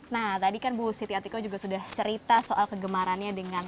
nah tadi kan bu siti atiko juga sudah cerita soal kegemarannya dengan